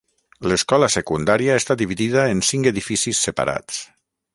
L'escola secundària està dividida en cinc edificis separats.